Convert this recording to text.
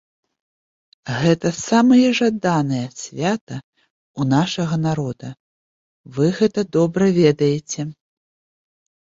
Гэта самае жаданае свята ў нашага народа, вы гэта добра ведаеце.